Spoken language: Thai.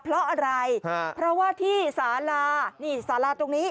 เพราะอะไรฮะเพราะว่าที่สาลานี่สาราตรงนี้